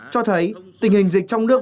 cho thấy tình hình dịch trong nước